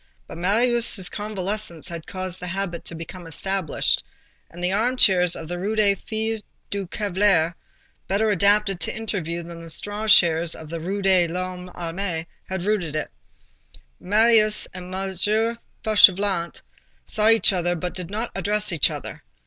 But Marius' convalescence had caused the habit to become established, and the armchairs of the Rue des Filles du Calvaire, better adapted to interviews than the straw chairs of the Rue de l'Homme Armé, had rooted it. Marius and M. Fauchelevent saw each other, but did not address each other.